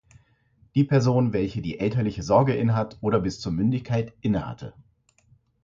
Die Person, welche die elterliche Sorge innehat oder bis zur Mündigkeit innehatte.